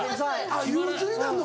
あっ憂鬱になるの。